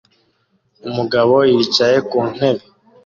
Umugabo yicaye ku ntebe